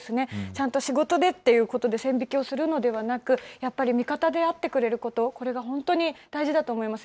ちゃんと仕事でっていうことで、線引きをするのではなく、やっぱり味方であってくれること、これは本当に大事だと思います。